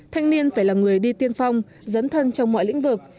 thanh niên phải là người đi tiên phong dấn thân trong mọi lĩnh vực